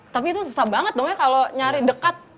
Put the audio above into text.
tapi itu susah banget dong ya kalau nyari dekat